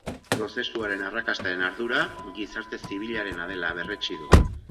Prozesuaren arrakastaren ardura gizarte zibilarena dela berretsi du.